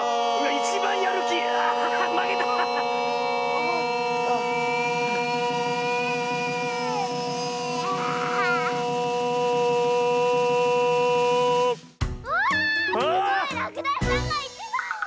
ああっすごい！らくだしさんがいちばんだ！